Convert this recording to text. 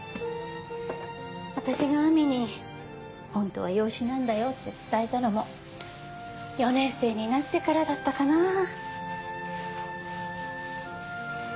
私が亜美に「ホントは養子なんだよ」って伝えたのも４年生になってからだったかなぁ。